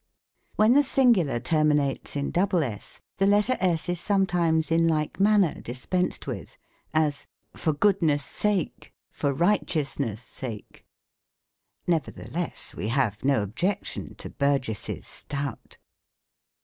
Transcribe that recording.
When the singular terminates in ss, the letter s is sometimes, in like manner, dispensed with: as, "For goodness' sake !"— "For righteousness' sake !" Nev ertheless, we have no objection to " Burgess's" Stout.